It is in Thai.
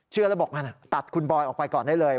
เชื่อแล้วบอกมาตัดคุณบอยออกไปก่อนได้เลย